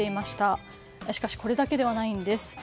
しかし、これだけではないんです。